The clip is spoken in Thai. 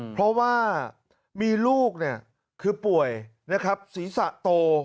เพราะว่ามีลูกเนี่ยคือป่วยนะครับศีรษะโต